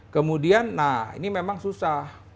kemudian nah ini memang susah